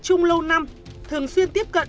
chung lâu năm thường xuyên tiếp cận